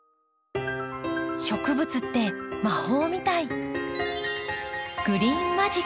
植物って魔法みたい。